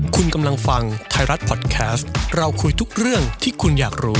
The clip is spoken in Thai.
คุณกำลังฟังไทยรัฐพอดแคสต์เราคุยทุกเรื่องที่คุณอยากรู้